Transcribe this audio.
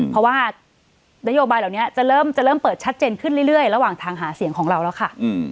เพราะว่านโยบายเหล่านี้จะเริ่มเปิดชัดเจนขึ้นเรื่อยระหว่างทางหาเสียงของเราแล้วค่ะ